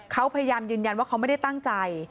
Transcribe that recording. เขาพยายามยืนยันว่าเขาไม่ได้ตั้งใจ